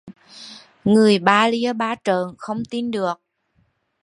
Người ba lia ba trợn không tin được